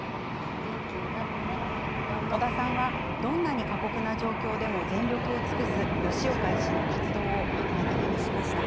戸田さんは、どんなに過酷な状況でも全力を尽くす吉岡医師の活動を目の当たりにしました。